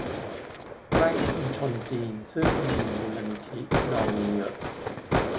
ใกล้ชุมชนจีน ซึ่งมีมูลนิธิทำนองนี้เยอะ